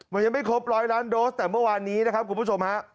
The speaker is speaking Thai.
มันยังไม่ครบร้อยล้านโดสแต่เมื่อวานนี้นะครับคุณผู้ชมฮะ